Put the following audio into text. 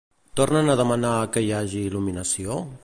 Tornen a demanar que hi hagi il·luminació?